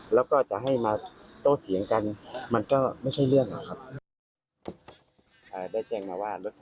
แล้วก็จะให้มาโต้เถียงกันมันก็ไม่ใช่เรื่องนะครับ